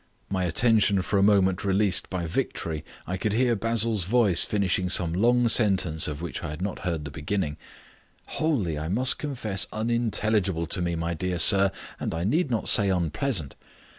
My attention for a moment released by victory, I could hear Basil's voice finishing some long sentence of which I had not heard the beginning. "... wholly, I must confess, unintelligible to me, my dear sir, and I need not say unpleasant.